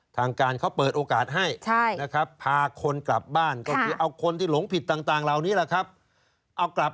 ทางการเขาเปิดโอกาสให้นะครับพาคนกลับบ้านก็คือเอาคนที่หลงผิดต่างเหล่านี้แหละครับเอากลับ